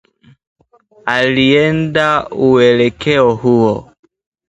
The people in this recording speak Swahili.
Alienda uelekeo huo